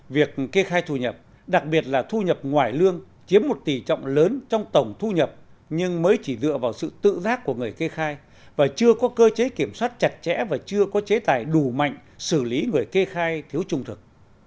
việc kê khai thu nhập đặc biệt là thu nhập ngoài lương chiếm một tỷ trọng lớn trong tổng thu nhập nhưng mới chỉ dựa vào sự tự giác của người kê khai và chưa có cơ chế kiểm soát chặt chẽ và chưa có chế tài đủ mạnh xử lý người kê khai thiếu trung thực